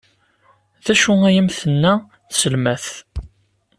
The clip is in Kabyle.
D acu ay am-tenna tselmadt?